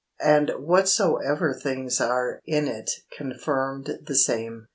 And whatsoever things are in it confirmed the same.